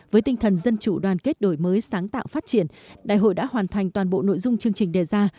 với tinh thần dân chủ đoàn kết đổi mới sáng tạo phát triển đại hội đã hoàn thành toàn bộ nội dung chương trình đề ra